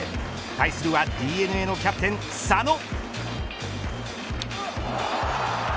対するは、ＤｅＮＡのキャプテン佐野。